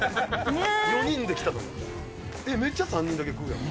４人で来たのに。